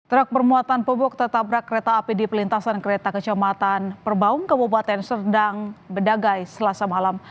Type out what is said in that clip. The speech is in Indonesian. truk bermuatan pupuk tertabrak kereta api di pelintasan kereta kecamatan perbaung kabupaten serdang bedagai selasa malam